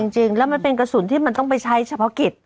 จริงแล้วมันเป็นกระสุนที่มันต้องไปใช้เฉพาะกิจ